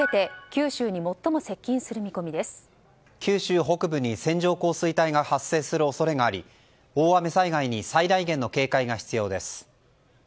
九州北部に線状降水帯が発生する恐れがあり大雨災害に最大限の警戒が必要です。